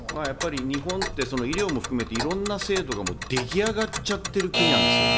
日本って医療も含めて、いろんな制度が出来上がっちゃってる国なんですよね。